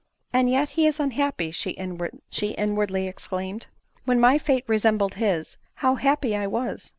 " And yet he is unhappy !" she inwardly exclaimed. " When my fate resembled his, how happy I was